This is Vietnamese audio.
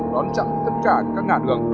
đón chặn tất cả các ngã thường